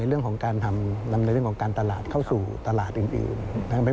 เรื่องของการทำดำเนินเรื่องของการตลาดเข้าสู่ตลาดอื่นนะครับ